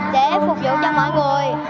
để phục vụ cho mọi người